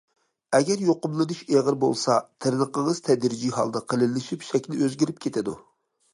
ئەگەر يۇقۇملىنىش ئېغىر بولسا، تىرنىقىڭىز تەدرىجىي ھالدا قېلىنلىشىپ شەكلى ئۆزگىرىپ كېتىدۇ.